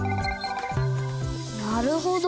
なるほど。